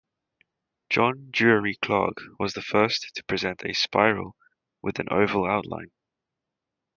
John Drury Clark was the first to present a spiral with an oval outline.